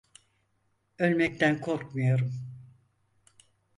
Ölmekten korkmuyorum.